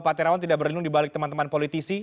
pak terawan tidak berlindung dibalik teman teman politisi